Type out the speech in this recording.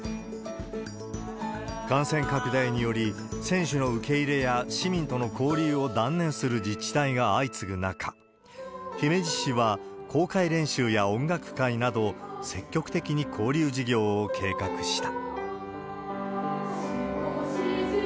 感染拡大により、選手の受け入れや市民との交流を断念する自治体が相次ぐ中、姫路市は、公開練習や音楽会など、積極的に交流事業を計画した。